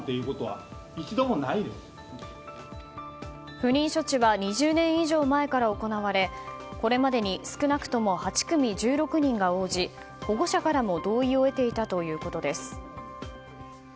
不妊処置は２０年以上前から行われこれまでに少なくとも８組１６人が応じ保護者からも同意を得ていたということです。